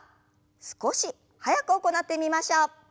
少し速く行ってみましょう。